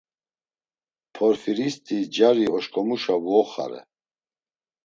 Porfiristi cari oşǩomuşa vuoxare.